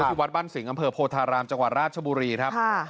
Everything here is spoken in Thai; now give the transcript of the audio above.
ที่วัดบ้านสิงห์อำเภอโพธารามจังหวัดราชบุรีครับ